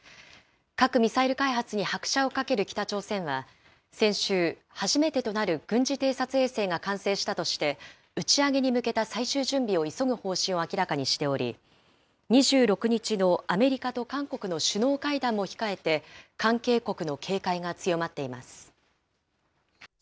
核・ミサイル開発に拍車をかける北朝鮮は先週、初めてとなる軍事偵察衛星が完成したとして、打ち上げに向けた最終準備を急ぐ方針を明らかにしており、２６日のアメリカと韓国の首脳会談も控えて、関係国の警戒が強まっています。